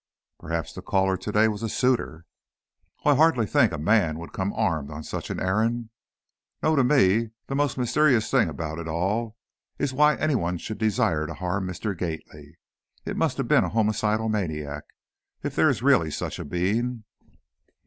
"Perhaps the caller today was a suitor." "Oh, I hardly think a man would come armed on such an errand. No; to me, the most mysterious thing about it all, is why anyone should desire to harm Mr. Gately. It must have been a homicidal maniac, if there is really such a being."